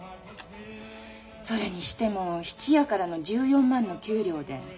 それにしても質屋からの１４万の給料で１人暮らし続く？